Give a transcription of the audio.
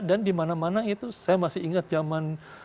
dan dimana mana itu saya masih ingat zaman